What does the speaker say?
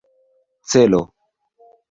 celo